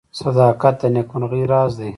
• صداقت د نیکمرغۍ راز دی.